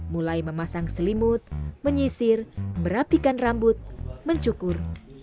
mulai memasang selimut menyisir merapikan rambut mencukur